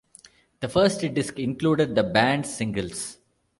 The first disc included the band' singles.